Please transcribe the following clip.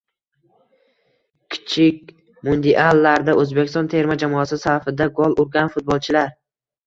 “Kichik mundial”larda O‘zbekiston terma jamoasi safida gol urgan futbolchilar